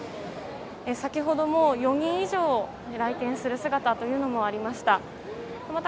先ほども４人以上来店する姿というのもありました。